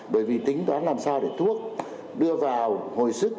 bởi vì tính toán làm sao để thuốc đưa vào hồi sức